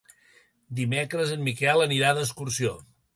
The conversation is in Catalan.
Dimecres en Miquel anirà d'excursió.